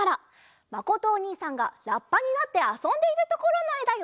まことおにいさんがラッパになってあそんでいるところのえだよ。